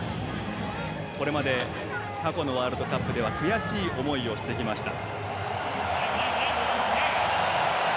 これまで過去のワールドカップでは悔しい思いをしてきました。